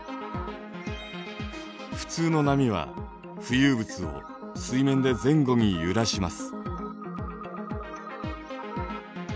普通の波は浮遊物を水面で前後に揺らします。